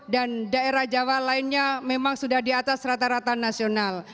dan daerah jawa lainnya memang sudah di atas rata rata nasional